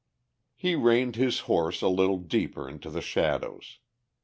He reined his horse a little deeper into the shadows.